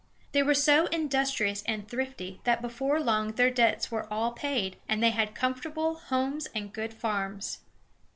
They were so industrious and thrifty that before long their debts were all paid, and they had comfortable homes and good farms.